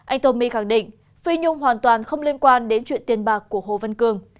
anh tomi khẳng định phi nhung hoàn toàn không liên quan đến chuyện tiền bạc của hồ văn cường